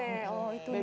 oh itu bisa